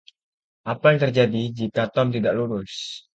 Apa yang terjadi jika Tom tidak lulus?